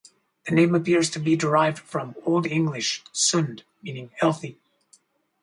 The name appears to be derived from Old English "sund", meaning "healthy".